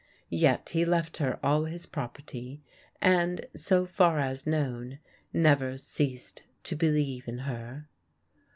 Yet he left her all his property, and, so far as known, never ceased to believe in her.